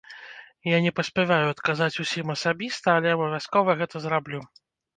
Я не паспяваю адказаць усім асабіста, але абавязкова гэта зраблю.